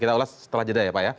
kita ulas setelah jeda ya pak ya